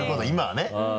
今はね。